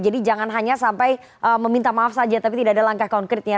jadi jangan hanya sampai meminta maaf saja tapi tidak ada langkah konkretnya